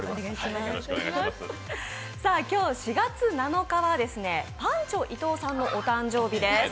今日４月７日はパンチョ伊東さんのお誕生日です。